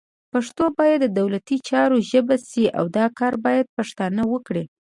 پښتو باید د دولتي چارو ژبه شي، او دا کار باید پښتانه وکړي